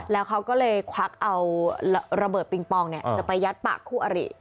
แล้วเขาก็เลยควักเอาระเบิดปิงปองจะไปยัดปากคู่อริ